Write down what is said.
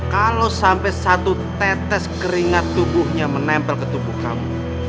kalau sampai satu tetes keringat tubuhnya menempel ke tubuh kamu